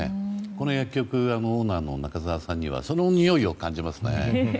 この薬局のオーナーの中沢さんにはそのにおいを感じますね。